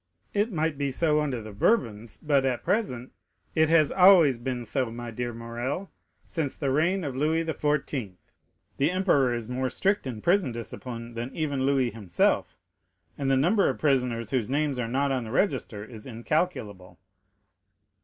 "It might be so under the Bourbons, but at present——" "It has always been so, my dear Morrel, since the reign of Louis XIV. The emperor is more strict in prison discipline than even Louis himself, and the number of prisoners whose names are not on the register is incalculable."